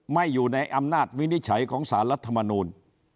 อยู่ในอำนาจวินิจฉัยของสารรัฐมนูล